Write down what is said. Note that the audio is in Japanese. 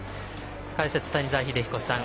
解説は谷澤英彦さん